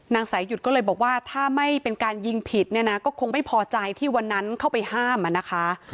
สายหยุดก็เลยบอกว่าถ้าไม่เป็นการยิงผิดเนี่ยนะก็คงไม่พอใจที่วันนั้นเข้าไปห้ามอ่ะนะคะ